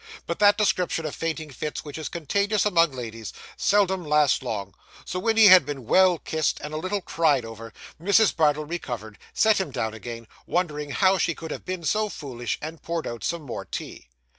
But that description of fainting fits, which is contagious among ladies, seldom lasts long; so when he had been well kissed, and a little cried over, Mrs. Bardell recovered, set him down again, wondering how she could have been so foolish, and poured out some more tea.